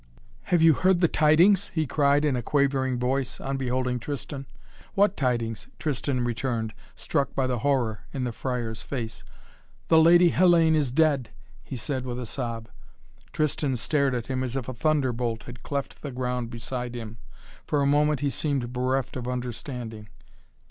"Have you heard the tidings?" he cried in a quavering voice, on beholding Tristan. "What tidings?" Tristan returned, struck by the horror in the friar's face. "The Lady Hellayne is dead!" he said with a sob. Tristan stared at him as if a thunderbolt had cleft the ground beside him. For a moment he seemed bereft of understanding.